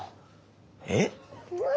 えっ？